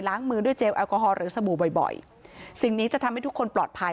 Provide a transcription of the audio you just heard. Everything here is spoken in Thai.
มือด้วยเจลแอลกอฮอลหรือสบู่บ่อยบ่อยสิ่งนี้จะทำให้ทุกคนปลอดภัย